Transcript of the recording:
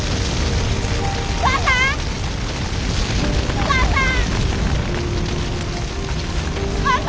お母さん！